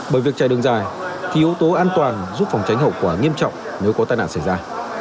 bởi việc chạy đường dài thì yếu tố an toàn giúp phòng tránh hậu quả nghiêm trọng nếu có tai nạn xảy ra